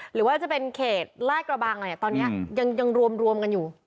หรือว่าจะเป็นเขตลาดกระบังอะไรตอนนี้ยังรวมกันอยู่